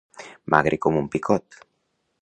Magre com un picot.